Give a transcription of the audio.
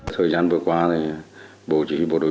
thời gian vừa qua bộ chỉ huy bộ đội